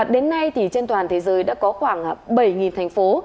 đến nay thì trên toàn thế giới đã có khoảng bảy thành phố